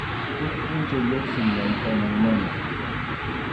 Huk pʼunchaw lluqsin llamkʼananmanta.